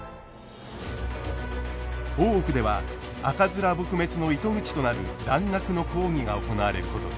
大奥では赤面撲滅の糸口となる蘭学の講義が行われることに。